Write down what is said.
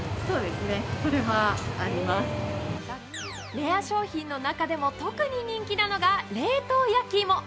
レア商品の中でも特に人気なのが冷凍焼きいも。